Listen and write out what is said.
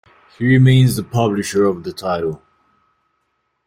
He remains the publisher of the title.